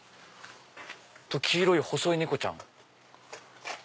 黄色い細い猫ちゃん。